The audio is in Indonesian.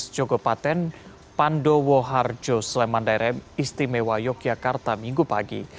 jogopaten pandowo harjo sleman daerah istimewa yogyakarta minggu pagi